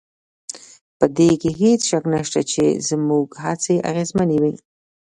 په دې کې هېڅ شک نشته چې زموږ هڅې اغېزمنې وې